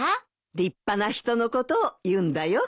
立派な人のことを言うんだよ。